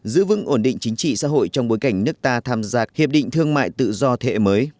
giữ vững ổn định chính trị xã hội trong bối cảnh nước ta tham gia hiệp định thương mại tự do thế hệ mới